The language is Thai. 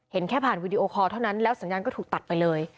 แค่ผ่านวีดีโอคอลเท่านั้นแล้วสัญญาณก็ถูกตัดไปเลย